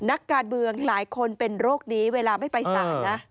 นักการเมืองหลายคนเป็นโรคนี้เวลาไม่ไปสารนะ